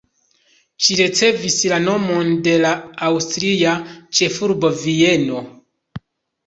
Ĝi ricevis la nomon de la aŭstria ĉefurbo Vieno.